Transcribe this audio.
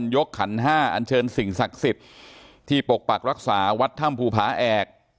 ขันห้าอันเชิญสิ่งศักดิ์สิทธิ์ที่ปกปักรักษาวัดถ้ำภูผาแอก